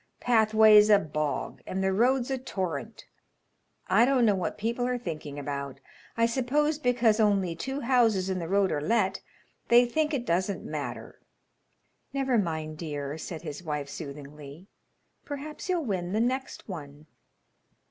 Pathway's a bog, and the road's a torrent. I don't know what people are thinking about. I suppose because only two houses in the road are let, they think it doesn't matter." "Never mind, dear," said his wife, soothingly; "perhaps you'll win the next one."